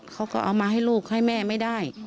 เขาก็เอามาให้ลูกให้แม่ไม่ได้